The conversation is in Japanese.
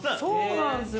そうなんすよ。